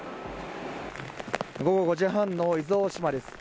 午後５時半の伊豆大島です。